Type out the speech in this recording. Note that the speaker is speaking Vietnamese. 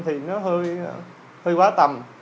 thì nó hơi quá tầm